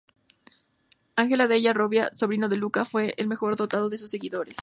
Andrea della Robbia, sobrino de Luca, fue el mejor dotado de sus seguidores.